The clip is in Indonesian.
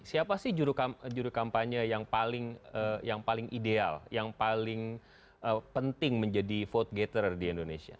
siapa sih juru kampanye yang paling ideal yang paling penting menjadi vote gathere di indonesia